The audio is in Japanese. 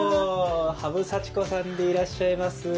羽生祥子さんでいらっしゃいます。